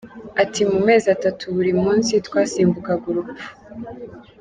Ati “Mu mezi atatu buri munsi twasimbukaga urupfu.